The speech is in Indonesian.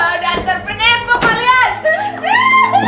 udah serpenipu kalian